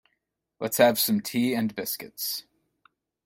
Let's have some tea and biscuits.